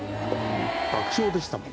爆笑でしたもんね。